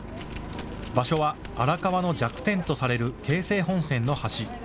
場所は荒川の弱点とされる京成本線の橋。